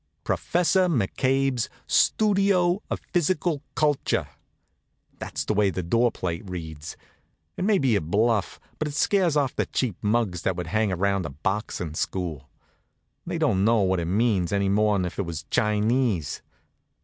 PROFESSOR M'CABE'S STUDIO OF PHYSICAL CULTURE That's the way the door plate reads. It may be a bluff, but it scares off the cheap muggs that would hang around a boxin' school. They don't know what it means, any more'n if it was Chinese.